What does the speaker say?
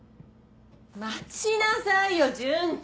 待ちなさいよ順基！